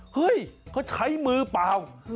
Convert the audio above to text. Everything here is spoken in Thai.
เฮ้ยเขาใช้มือเปล่า